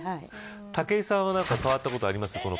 武井さんは何か変わったことがありますか。